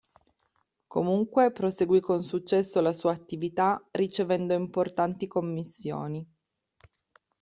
Comunque, proseguì con successo la sua attività, ricevendo importanti commissioni.